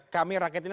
kami rakyat ini